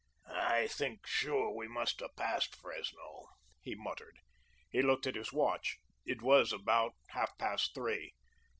"I think sure we must have passed Fresno," he muttered. He looked at his watch. It was about half past three.